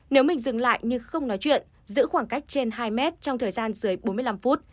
nếu mình dừng lại như không nói chuyện giữ khoảng cách trên hai mét trong thời gian dưới bốn mươi năm phút